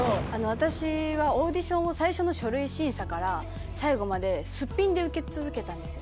私はオーディションを最初の書類審査から最後までスッピンで受け続けたんですよ。